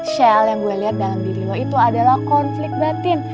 shell yang gue lihat dalam diri lo itu adalah konflik batin